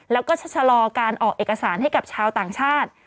แล้วก็ชะลอการออกเอกสารให้กับชาวต่างชาติ